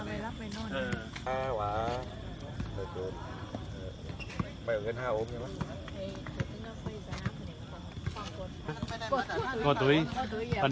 สวัสดีครับทุกคนขอบคุณครับทุกคน